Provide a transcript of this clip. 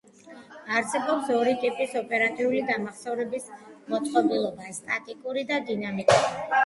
არსებობს ორი ტიპის ოპერატიული დამახსოვრების მოწყობილობა: სტატიკური და დინამიკური.